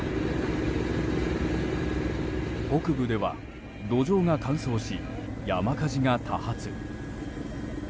北部では、土壌が乾燥し山火事が多発。